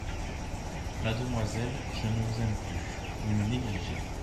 Mademoiselle, je ne vous aime plus ; vous me négligez.